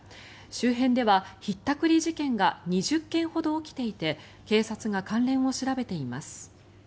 周辺ではひったくり事件が２０件ほど起きていて警察が関連を調べています。